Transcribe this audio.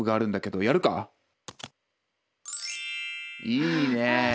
「いいね。